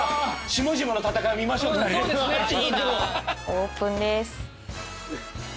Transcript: オープンです。